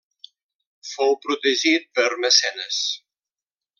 Fou protegit per Mecenes.